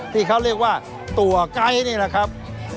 ที่เขาเรียกว่าตัวไก๊นี่แหละครับ